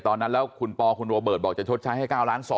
ตอนนั้นแล้วคุณปอคุณโรเบิร์ตบอกจะชดใช้ให้๙ล้าน๒